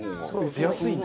出やすいんだ。